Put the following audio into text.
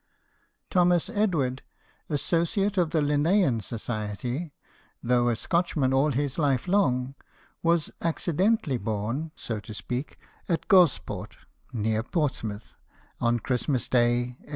Thomas Edward, associate of the Linnean Society, though a Scotchman all his life long, was accidentally born (so to speak) at Gosport, near Portsmouth, on Christmas Day, 1814.